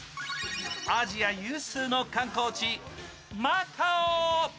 アジア有数の観光地、マカオ。